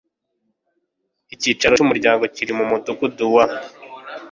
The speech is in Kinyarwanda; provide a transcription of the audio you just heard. Icyicaro cy Umuryango kiri mu mudugudu wa